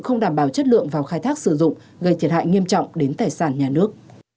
không đảm bảo chất lượng vào khai thác sử dụng gây thiệt hại nghiêm trọng đến tài sản nhà nước